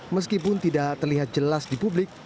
meskipun tidak terlihat jelas di publik